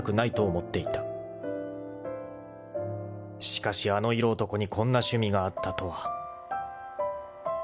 ［しかしあの色男にこんな趣味があったとは］